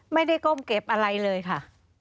ไม่ได้ก้มเก็บอะไรเลยค่ะ